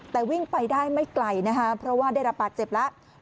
แต่วิ่งไปได้ไม่ไกลนะคะเพราะว่าได้รับบาดเจ็บแล้ว